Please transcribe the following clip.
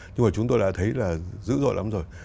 nhưng mà chúng tôi đã thấy là dữ dội lắm rồi